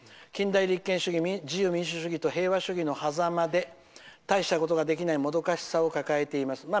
近代立憲主義、自由民主主義平和主義のはざまで大したことができないもどかしさを感じています。